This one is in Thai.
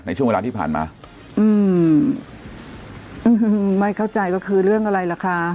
ช่วงเวลาที่ผ่านมาอืมไม่เข้าใจก็คือเรื่องอะไรล่ะคะ